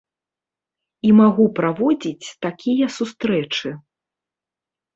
І магу праводзіць такія сустрэчы.